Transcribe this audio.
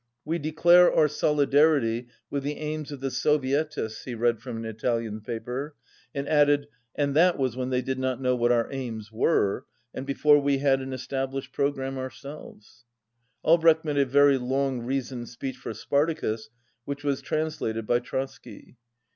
"We 221 declare our solidarity with the aims of the Soviet ists," he read from an Italian paper, and added, "and that was when they did not know what our aims were, and before we had an established pro gramme ourselves." Albrecht made a very long reasoned speech for Spartacus, which was trans lated by Trotsky.